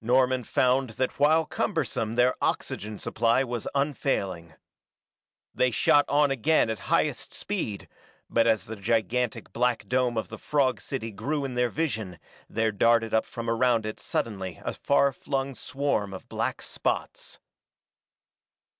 Norman found that while cumbersome their oxygen supply was unfailing. They shot on again at highest speed, but as the gigantic black dome of the frog city grew in their vision there darted up from around it suddenly a far flung swarm of black spots.